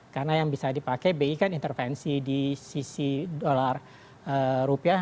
karena yang bisa dipakai bi kan intervensi di sisi dolar rupiah